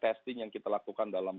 testing yang kita lakukan dalam